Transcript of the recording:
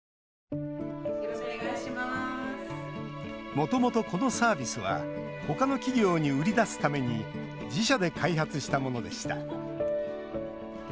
もともと、このサービスはほかの企業に売り出すために自社で開発したものでした。